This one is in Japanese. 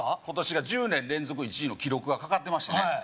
今年が１０年連続１位の記録がかかってましてね